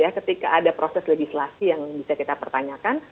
ketika ada proses legislasi yang bisa kita pertanyakan